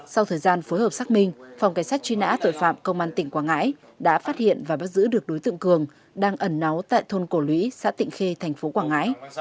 sau thời gian phối hợp xác minh phòng cảnh sát truy nã tội phạm công an tỉnh quảng ngãi đã phát hiện và bắt giữ được đối tượng cường đang ẩn náu tại thôn cổ lũy xã tịnh khê tp quảng ngãi